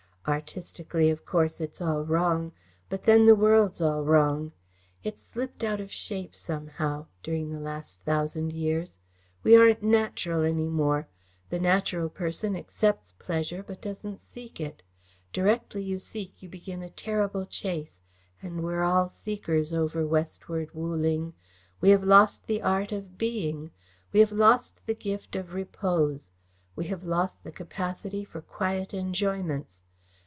Artistically, of course, it's all wrong, but then the world's all wrong. It's slipped out of shape somehow, during the last thousand years. We aren't natural any longer. The natural person accepts pleasure, but doesn't seek it. Directly you seek, you begin a terrible chase, and we're all seekers over westward, Wu Ling. We have lost the art of being. We have lost the gift of repose. We have lost the capacity for quiet enjoyments.